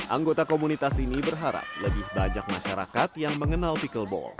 anggota komunitas ini berharap lebih banyak masyarakat yang mengenal pickleball